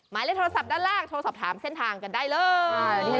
หมายเลขโทรศัพท์ด้านล่างโทรสอบถามเส้นทางกันได้เลย